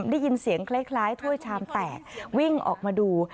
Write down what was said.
ได้ยินเสียงคล้ายถ้วยชามแตกวิ่งออกมาดู